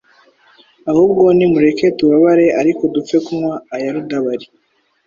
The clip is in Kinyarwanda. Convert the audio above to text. ahubwo nimureke tubabare, ariko dupfe kunywa aya Rudabari